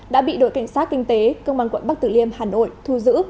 đã bị đội cảnh sát kinh tế công an quận bắc tử liêm hà nội thu giữ